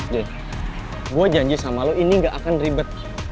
deh gue janji sama lo ini gak akan ribet